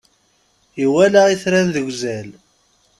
Iwala itran deg uzal.